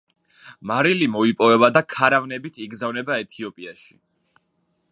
მარილი მოიპოვება და ქარავნებით იგზავნება ეთიოპიაში.